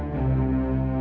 aku mau kemana